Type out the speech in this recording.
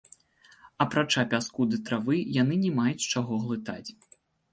Апрача пяску ды травы, яны не маюць чаго глытаць.